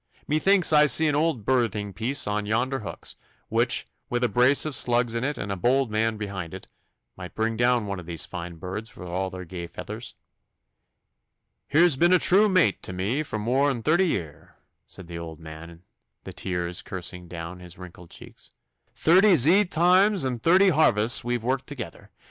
Methinks I see an old birding piece on yonder hooks, which, with a brace of slugs in it and a bold man behind it, might bring down one of these fine birds for all their gay feathers.' 'Her's been a true mate to me for more'n thirty year,' said the old man, the tears coursing down his wrinkled cheeks. 'Thirty zeed toimes and thirty harvests we've worked together.